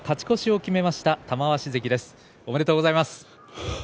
おめでとうございます。